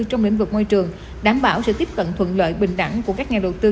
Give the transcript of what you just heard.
trong lĩnh vực môi trường đảm bảo sự tiếp cận thuận lợi bình đẳng của các nhà đầu tư